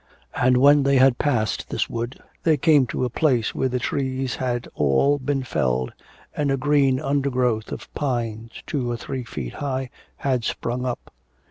And, when they had passed this wood, they came to a place where the trees had all been felled, and a green undergrowth of pines, two or three feet high, had sprung up.